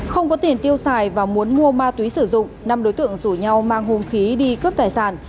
không có tiền tiêu xài và muốn mua ma túy sử dụng năm đối tượng rủ nhau mang hùng khí đi cướp tài sản